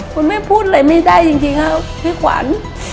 คุณแม่พูดอะไรไม่ได้จริงครับพี่ขวัญ